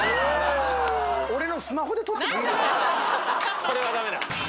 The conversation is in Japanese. それはダメだ！